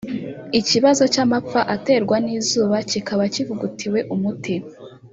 ikibazo cy’amapfa aterwa n’izuba kikaba kivugutiwe umuti